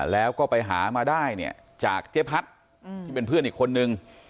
แล้วก็ไปหามาได้เนี่ยจากเจ๊พัดที่เป็นเพื่อนอีกคนนึง